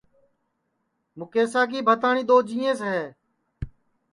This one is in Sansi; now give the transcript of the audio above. مُکیشا کی بھتاٹؔی دؔو جینٚیس ہے